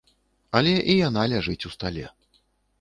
Але і яна ляжыць у стале.